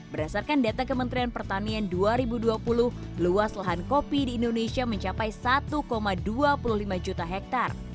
berdasarkan data kementerian pertanian dua ribu dua puluh luas lahan kopi di indonesia mencapai satu dua puluh lima juta hektare